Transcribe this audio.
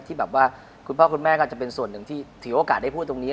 ที่แบบว่าคุณพ่อคุณแม่ก็จะเป็นส่วนหนึ่งที่ถือโอกาสได้พูดตรงนี้